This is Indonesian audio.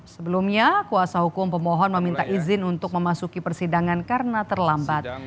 sebelumnya kuasa hukum pemohon meminta izin untuk memasuki persidangan karena terlambat